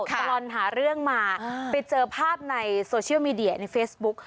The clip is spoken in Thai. ตลอดหาเรื่องมาไปเจอภาพในโซเชียลมีเดียในเฟซบุ๊ก